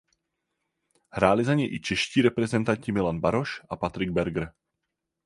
Hráli za něj i čeští reprezentanti Milan Baroš a Patrik Berger.